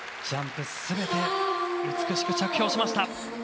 ジャンプ全て美しく着氷しました。